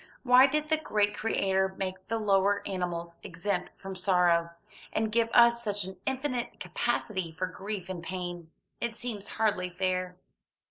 Why did the great Creator make the lower animals exempt from sorrow, and give us such an infinite capacity for grief and pain? It seems hardly fair."